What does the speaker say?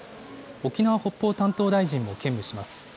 沖縄・北方担当大臣も兼務します。